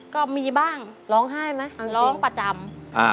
ก็มีบ้างร้องไห้ไหมร้องประจำ